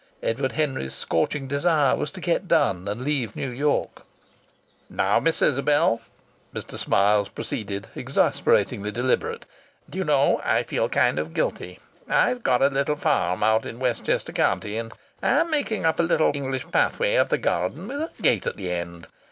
Edward Henry's scorching desire was to get done and leave New York. "Now, Miss Isabel," Mr. Smiles proceeded, exasperatingly deliberate, "d'you know, I feel kind of guilty? I have got a little farm out in Westchester County and I'm making a little English pathway up the garden with a gate at the end.